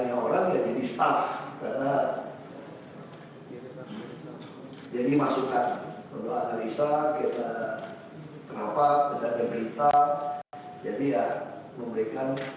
jadi ya memberikan pandangan pandangan politik